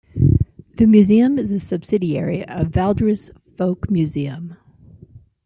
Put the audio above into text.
The museum is a subsidiary of Valdres Folkemuseum.